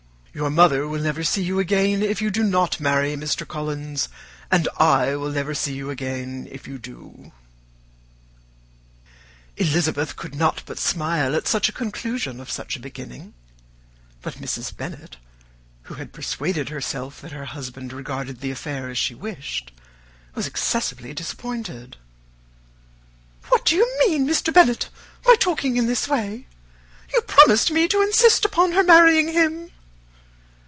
Your mother will never see you again if you do not marry Mr. Collins, and I will never see you again if you do." Elizabeth could not but smile at such a conclusion of such a beginning; but Mrs. Bennet, who had persuaded herself that her husband regarded the affair as she wished, was excessively disappointed. "What do you mean, Mr. Bennet, by talking in this way? You promised me to insist upon her marrying him."